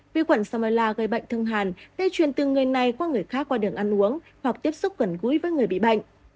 vi khuẩn salmonella gây bệnh thương hẳn gây chuyển từ người này qua người khác qua đường ăn uống hoặc tiếp xúc gần gũi với người bị bệnh